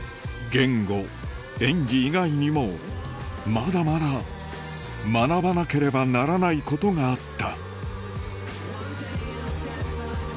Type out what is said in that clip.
言語演技以外にもまだまだ学ばなければならないことがあった